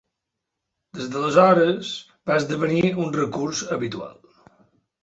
Des de l'aleshores va esdevenir un recurs habitual.